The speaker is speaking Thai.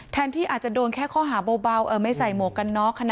ที่อาจจะโดนแค่ข้อหาเบาไม่ใส่หมวกกันน็อก